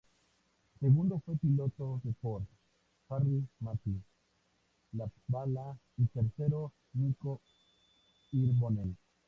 Segundo fue el piloto de Ford, Jari-Matti Latvala y tercero Mikko Hirvonen.